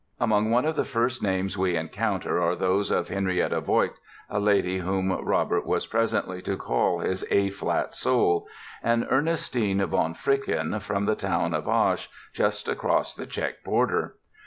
Among one of the first names we encounter are those of Henriette Voigt, a lady whom Robert was presently to call "his A flat soul", and Ernestine von Fricken, from the town of Asch, just across the Czech border.